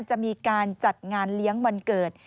จะมีการจัดงานเลี้ยงวันเกิด